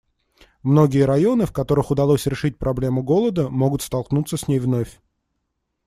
Многие районы, в которых удалось решить проблему голода, могут столкнуться с ней вновь.